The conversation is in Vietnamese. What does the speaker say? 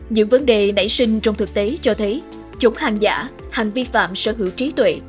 những vấn đề nảy sinh trong thực tế cho thấy chống hàng giả hành vi phạm sở hữu trí tuệ